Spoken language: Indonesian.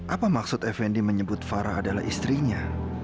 apa maksud effendi menyebut farah adalah istrinya